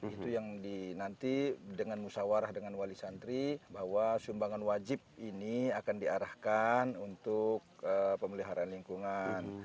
itu yang dinanti dengan musawarah dengan wali santri bahwa sumbangan wajib ini akan diarahkan untuk pemeliharaan lingkungan